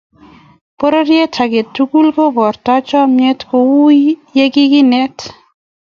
Bororie agetugul ko ibortoi chomye ko uu yekikinet.